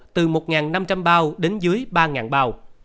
từ một năm trăm linh bao đến dưới ba bao